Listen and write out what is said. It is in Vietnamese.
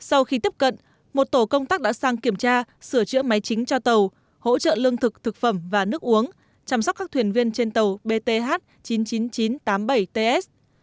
sau khi tiếp cận một tổ công tác đã sang kiểm tra sửa chữa máy chính cho tàu hỗ trợ lương thực thực phẩm và nước uống chăm sóc các thuyền viên trên tàu bth chín nghìn chín trăm tám mươi bảy ts